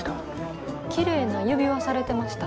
きれいな指輪されてました。